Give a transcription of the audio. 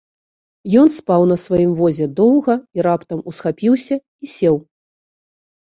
Ён спаў на сваім возе доўга і раптам усхапіўся і сеў.